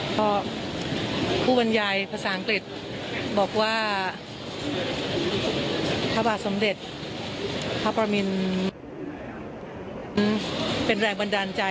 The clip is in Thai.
ก็ผู้บรรยายภาษาอังกฤษบอกว่าพระบาทสมเด็จพระประมินเป็นแรงบันดาลใจ